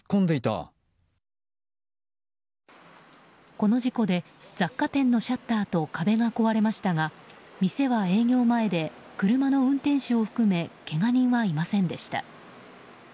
この事故で雑貨店のシャッターと壁が壊れましたが店は営業前で車の運転手を含めけが人はいませんでした。